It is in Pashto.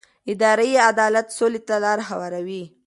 اداري عدالت سولې ته لاره هواروي